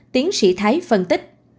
tiến sĩ thái phân tích